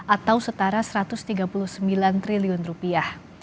atau setara satu ratus tiga puluh sembilan triliun rupiah